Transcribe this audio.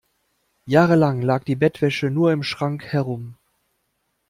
Jahrelang lag die Bettwäsche nur im Schrank herum.